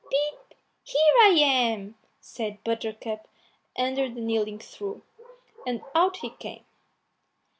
"Pip, pip! here I am," said Buttercup under the kneading trough, and out he came.